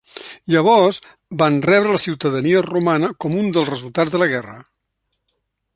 Llavors van rebre la ciutadania romana com un dels resultats de la guerra.